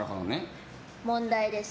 問題です。